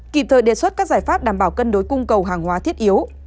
kịp thời đề xuất các giải pháp đảm bảo cân đối cung cầu hàng hóa thiết yếu